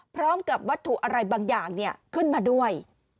พร้อมกับวัตถุอะไรบางอย่างขึ้นมาด้วย